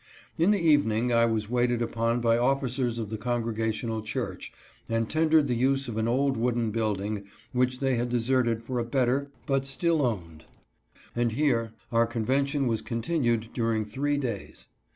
In the evening I was waited upon by officers of the Congregational church and tendered the use of an old wooden building which they had deserted for a better, but still owned, and here our convention was continued during three days.